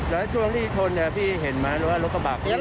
แล้วตัวที่ชนพี่เห็นไหมรถกระบะพี่